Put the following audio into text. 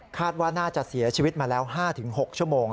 ว่าน่าจะเสียชีวิตมาแล้ว๕๖ชั่วโมง